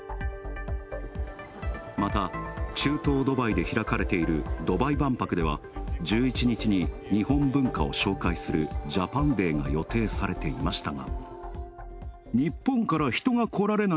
また、中東ドバイで開かれているドバイ万博では１１日に日本文化を紹介するジャパンデーが予定されていましたが。